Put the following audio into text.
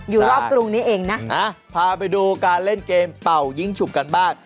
อยู่รอบกรุงนี้เองนะพาไปดูการเล่นเกมเป่ายิ้งฉุกกันบ้าง